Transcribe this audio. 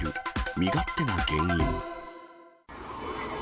身勝手な原因。